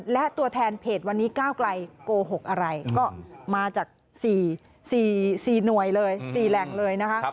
และตัวแทนเพจวันนี้ก้าวไกลโกหกอะไรก็มาจาก๔หน่วยเลย๔แหล่งเลยนะคะ